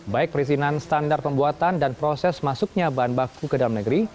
baik perizinan standar pembuatan dan proses masuknya bahan baku ke dalam negeri